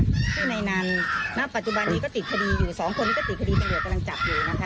ซึ่งในนั้นณปัจจุบันนี้ก็ติดคดีอยู่สองคนนี้ก็ติดคดีตำรวจกำลังจับอยู่นะคะ